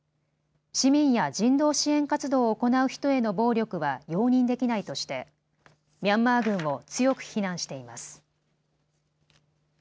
市民や人道支援活動を行う人への暴力は容認できないとしてミャンマー軍を強く非難しています。